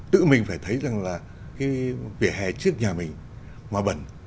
tự mình phải thấy rằng là cái vỉa hè trước nhà mình mà bẩn